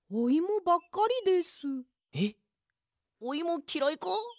おイモきらいか？